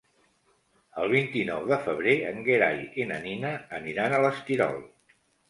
El vint-i-nou de febrer en Gerai i na Nina aniran a l'Esquirol.